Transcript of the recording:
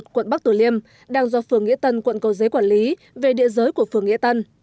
quận bắc tử liêm đang do phường nghĩa tân quận cầu giấy quản lý về địa giới của phường nghĩa tân